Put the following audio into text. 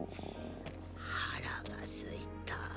腹がすいた。